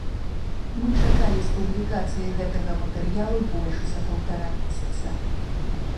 Мы чакалі з публікацыяй гэтага матэрыялу больш за паўтара месяца.